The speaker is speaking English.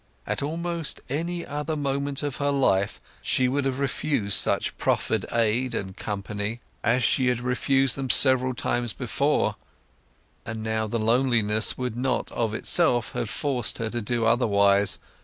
At almost any other moment of her life she would have refused such proffered aid and company, as she had refused them several times before; and now the loneliness would not of itself have forced her to do otherwise.